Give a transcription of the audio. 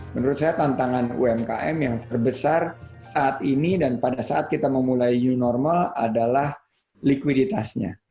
menurut saya tantangan umkm yang terbesar saat ini dan pada saat kita memulai new normal adalah likuiditasnya